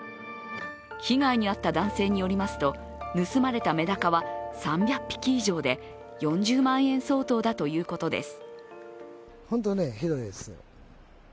被害に遭った男性によりますと盗まれたメダカは３００匹以上で４０万円相当だということです。